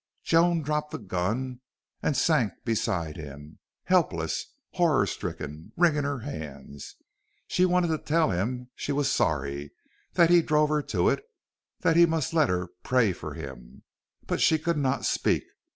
Joan dropped the gun and sank beside him, helpless, horror stricken, wringing her hands. She wanted to tell him she was sorry, that he drove her to it, that he must let her pray for him. But she could not speak.